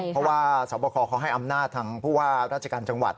เพราะว่าสาวบอกคอเขาให้อำนาจทางราชการจังหวัด